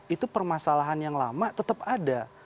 itu permasalahan yang lama tetap ada